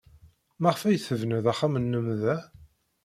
Maɣef ay tebnid axxam-nnem da?